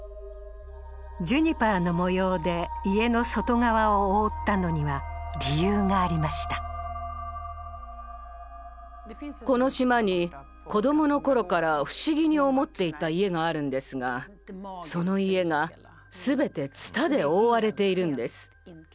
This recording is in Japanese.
ジュニパーの模様で家の外側を覆ったのには理由がありましたこの島に子どものころから不思議に思っていた家があるんですがその家がすべてツタで覆われているんです。